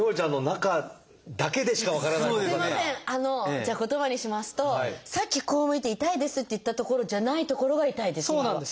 じゃあ言葉にしますとさっきこう向いて「痛いです」って言った所じゃない所が痛いです